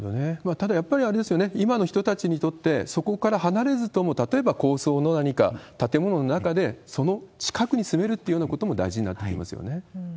ただ、やっぱりあれですよね、今の人たちにとって、そこから離れずとも、例えば高層の何か建物の中で、その近くに住めるっていうようなことも大事になってきますよね。